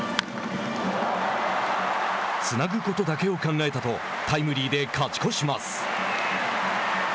つなぐことだけを考えたとタイムリーで勝ち越します。